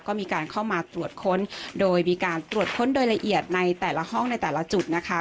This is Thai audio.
ก็มีการเข้ามาตรวจค้นโดยมีการตรวจค้นโดยละเอียดในแต่ละห้องในแต่ละจุดนะคะ